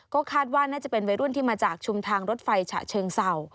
ก็คาดว่าน่าจะเป็นวัยรุ่นที่มาจากชุมทางรถไฟฉะเชิงเศร้า